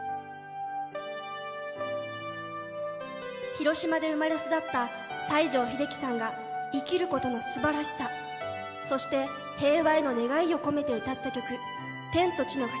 広島で生まれ育った西城秀樹さんが生きることのすばらしさそして平和への願いを込めて歌った曲